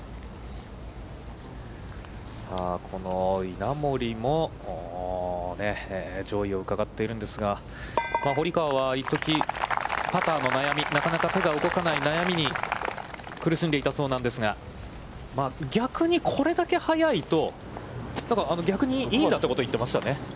さあ、この稲森も上位をうかがっているんですが、堀川は、いっとき、パターの悩み、なかなか手が動かない悩みに苦しんでいたそうなんですが、逆にこれだけ速いと、逆にいいんだということを言っていましたね。